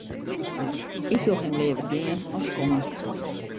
Ik sjoch him leaver gean as kommen.